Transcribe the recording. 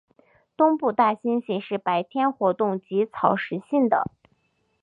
东部大猩猩是白天活动及草食性的。